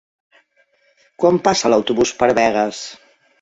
Quan passa l'autobús per Begues?